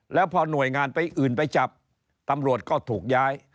แล้วพอหน่วยงานไปอื่นไปจับตำรวจก็ถูกย้าย